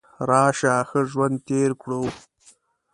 راشه ښه ژوند تیر کړو .